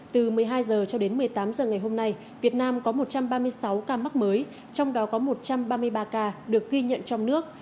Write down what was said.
từ một mươi hai h cho đến một mươi tám h ngày hôm nay việt nam có một trăm ba mươi sáu ca mắc mới trong đó có một trăm ba mươi ba ca được ghi nhận trong nước